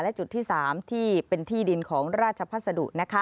และจุดที่๓ที่เป็นที่ดินของราชพัสดุ